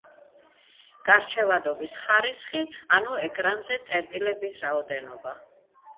გარჩევადობის ხარისხი ანუ ეკრანზე წერტილების რაოდენობა.